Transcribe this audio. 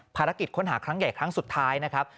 ภารกิจค้นหาครั้งใหญ่ครั้งสุดท้ายนะครับ